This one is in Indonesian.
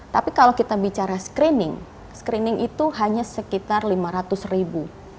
tapi kalau kita bicara screening screening itu hanya sekitar lima ratus ribu